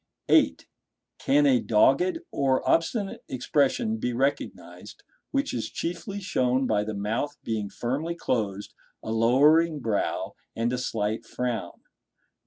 (8) Can a dogged or obstinate expression be recognized, which is chiefly shown by the mouth being firmly closed, a lowering brow and a slight frown?